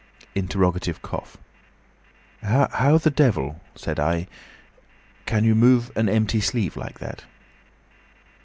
Interrogative cough. 'How the devil,' said I, 'can you move an empty sleeve like that?